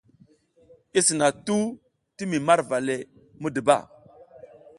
I sina tuh ti mi marva le muduba.